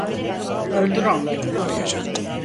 Öldür onları!